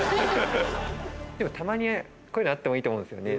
でもたまにこういうのあってもいいと思うんですよね。